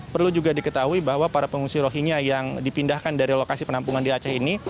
perlu juga diketahui bahwa para pengungsi rohingya yang dipindahkan dari lokasi penampungan di aceh ini